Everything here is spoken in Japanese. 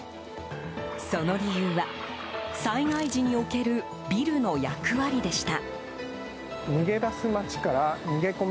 その理由は、災害時におけるビルの役割でした。